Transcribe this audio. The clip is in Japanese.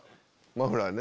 マフラーね。